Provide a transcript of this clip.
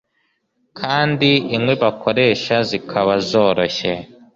kandi inkwi bakoresha zikaba zoroshye